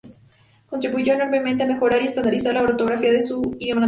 Contribuyó enormemente a mejorar y estandarizar la ortografía de su idioma natal.